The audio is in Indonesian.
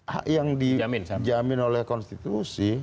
hak yang dijamin oleh konstitusi